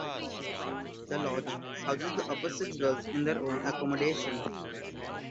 The Lodge houses the upper sixth girls in their own accommodation.